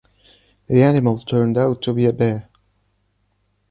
The animal turned out to be a bear.